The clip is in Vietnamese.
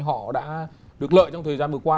họ đã được lợi trong thời gian vừa qua